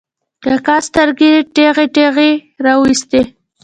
کاکا سترګې ټېغې ټېغې را وایستې.